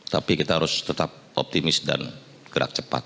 tapi kita harus tetap optimis dan gerak cepat